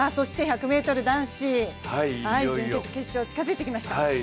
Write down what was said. １００ｍ男子、準決、決勝が近づいてきました。